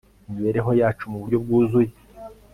imibereho yacu mu buryo bwuzuye